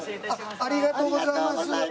ありがとうございます。